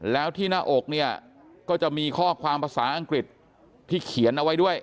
แล้วที่หน้าอกเนี่ยก็จะมีข้อความภาษาอังกฤษที่เขียนเอาไว้ด้วย